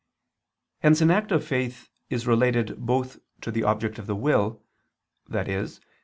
Hence an act of faith is related both to the object of the will, i.e.